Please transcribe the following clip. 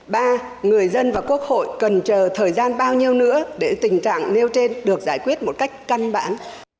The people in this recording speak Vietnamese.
ba người dân và quốc hội cần chờ thời gian bao nhiêu nữa để tình trạng nêu trên được giải quyết một cách căn bản